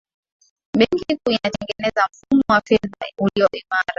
benki kuu inatengeneza mfumo wa fedha uliyo imara